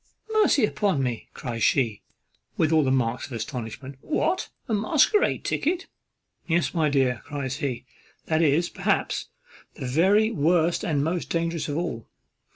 "Mercy upon me!" cries she, with all the marks of astonishment; "what! a masquerade ticket!" "Yes, my dear," cries he; "that is, perhaps, the very worst and most dangerous of all.